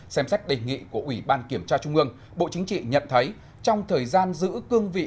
xem xét đề nghị của ủy ban kiểm tra trung ương bộ chính trị nhận thấy trong thời gian giữ cương vị